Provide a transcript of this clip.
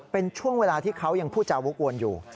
เป็นช่วงเวลาที่เขายังพูดจาวกวนอยู่